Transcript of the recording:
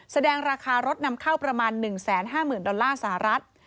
แสดงราคารถนำเข้าประมาณ๑๕๐๐๐ดอลลาร์สหรัฐ